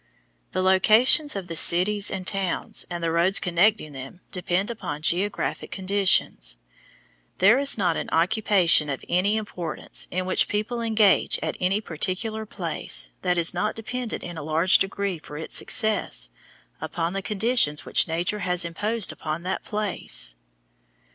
The locations of the cities and towns and the roads connecting them depend upon geographic conditions. There is not an occupation of any importance in which people engage at any particular place that is not dependent in large degree for its success upon the conditions which Nature has imposed upon that place.